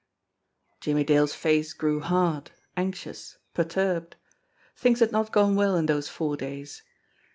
Jimmie Dale's face grew hard, anxious, perturbed. Things had not gone well in those four days.